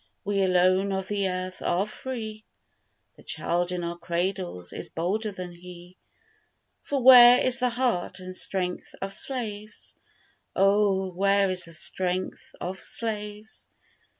we alone of the earth are free; The child in our cradles is bolder than he; For where is the heart and strength of slaves? Oh! where is the strength of slaves?